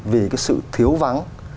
vì cái sự thiếu vắng